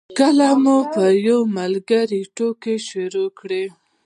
کله مو پر یو ملګري ټوکې شروع کړې.